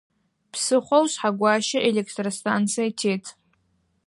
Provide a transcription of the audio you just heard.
Псыхъоу Шъхьэгуащэ электростанцие тет.